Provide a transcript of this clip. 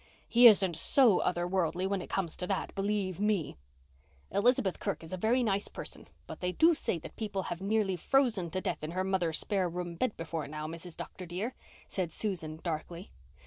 He isn't so other worldly when it comes to that, believe me." "Elizabeth Kirk is a very nice person, but they do say that people have nearly frozen to death in her mother's spare room bed before now, Mrs. Dr. dear," said Susan darkly.